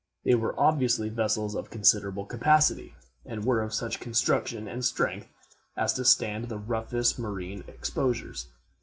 They were obviously vessels of considerable capacity and were of such construction and such strength as to stand the roughest marine exposures.